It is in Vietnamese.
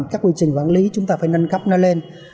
các quy trình quản lý chúng ta phải nâng cấp nó lên